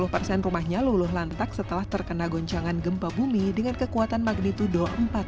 sepuluh persen rumahnya luluh lantak setelah terkena goncangan gempa bumi dengan kekuatan magnitudo empat tiga